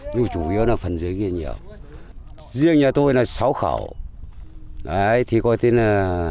nhưng chủ yếu là phần dưới kia